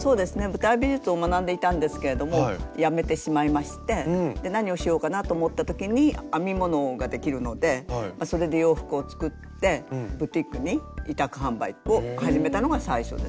舞台美術を学んでいたんですけれどもやめてしまいまして何をしようかなと思った時に編み物ができるのでそれで洋服を作ってブティックに委託販売を始めたのが最初ですね。